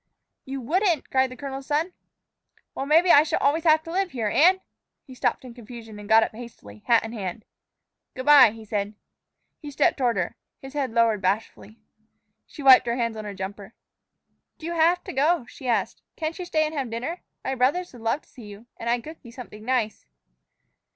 "You wouldn't?" cried the colonel's son. "Why, maybe I shall always have to live here, and " He stopped in confusion, and got up hastily, hat in hand. "Good by," he said. He stepped toward her, his head lowered bashfully. She wiped her hands on the jumper. "Do you have to go?" she asked. "Can't you stay and have dinner? My brothers would love to see you. And I'd cook you something nice."